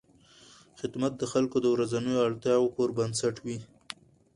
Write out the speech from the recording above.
خدمت د خلکو د ورځنیو اړتیاوو پر بنسټ وي.